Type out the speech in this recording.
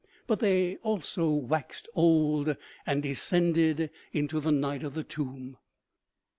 But they, also, waxed old and descended into the night of the tomb.